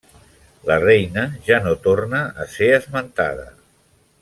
La reina ja no torna a ser esmentada.